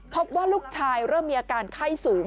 พบว่าลูกชายเริ่มมีอาการไข้สูง